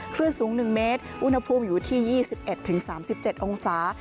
คลื่นสูง๑เมตรอุณหภูมิอยู่ที่๒๑๓๗องศา